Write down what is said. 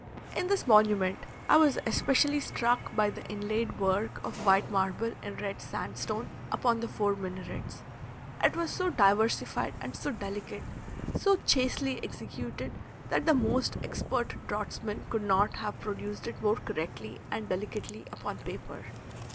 In this monument I was especially struck by the inlaid work of white marble in red sandstone upon the four minarets, it was so diversified and so delicate; so chastely executed that the most expert draughtsman could not have produced it more correctly and delicately upon paper.